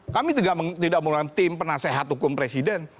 kami tidak menggunakan tim penasehat hukum presiden